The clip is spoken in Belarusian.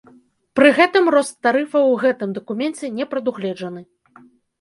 Пры гэтым рост тарыфаў у гэтым дакуменце не прадугледжаны.